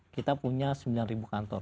kita punya sembilan ribu kantor